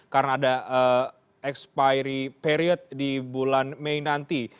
karena ada expiry period di bulan mei nanti